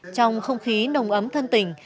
trong không khí nồng ấm thân tình